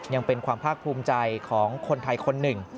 ยังเป็นความภาคภูมิใจของคนไทยคนหนึ่ง